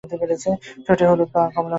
ঠোঁট হলুদ, পা কমলা-হলুদ।